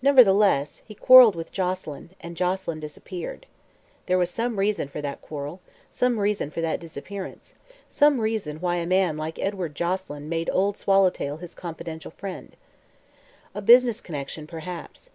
Nevertheless, he quarreled with Joselyn and Joselyn disappeared. There was some reason for that quarrel; some reason for that disappearance; some reason why a man like Edward Joselyn made Old Swallowtail his confidential friend. A business connection, perhaps.